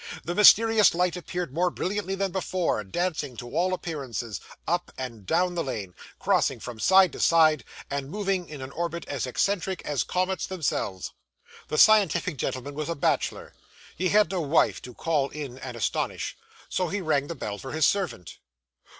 The mysterious light appeared more brilliantly than before, dancing, to all appearance, up and down the lane, crossing from side to side, and moving in an orbit as eccentric as comets themselves. The scientific gentleman was a bachelor. He had no wife to call in and astonish, so he rang the bell for his servant.